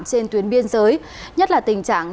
trên tuyến biên giới nhất là tình trạng